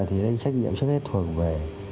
thì đây trách nhiệm chắc hết thuộc về